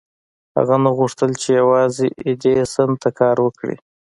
هغه نه غوښتل چې يوازې ايډېسن ته کار وکړي.